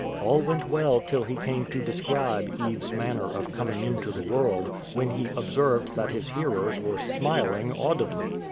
All went well till he came to describe Eve's manner of coming into the world, when he observed that his hearers were " smiling audibly.